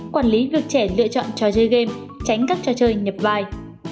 quản lý việc trẻ lựa chọn trò chơi game tránh các trò chơi nhập vai